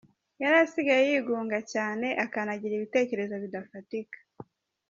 Yari asigaye yigungaga cyane, akanagira ibitekerezo bidafatika.